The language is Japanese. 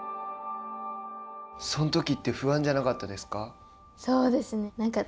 そのときって不安じゃなかったですか。